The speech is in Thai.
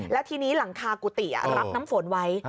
แล้วทีนี้หลังคากุฏิรับน้ำฝนไว้